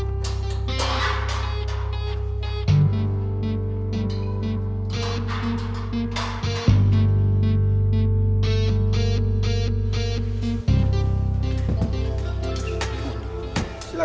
gue baik baik aja mon